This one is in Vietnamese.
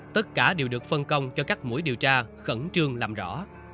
tất cả đều được phân công cho các mũi điều tra khẩn trương làm rõ